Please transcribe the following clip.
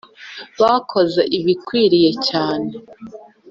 Bakoze ibikwiriye cyane